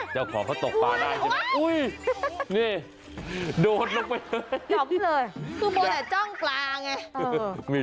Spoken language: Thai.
จ้าขอก็ตกปลาได้เหลือ